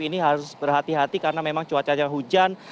ini harus berhati hati karena memang cuaca yang hujan